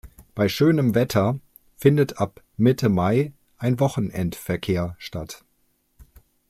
Bei schönem Wetter findet ab Mitte Mai ein Wochenendverkehr statt.